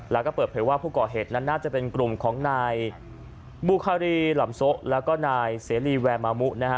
แล้วก็เปิดเผยว่าผู้ก่อเหตุนั้นน่าจะเป็นกลุ่มของนายบุคารีหลำโซะแล้วก็นายเสรีแวร์มามุนะฮะ